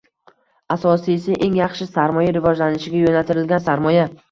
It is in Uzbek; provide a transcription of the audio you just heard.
Asosiysi, eng yaxshi sarmoya – rivojlanishga yo‘naltirilgan sarmoya.